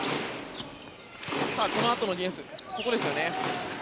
このあとのディフェンスここですよね。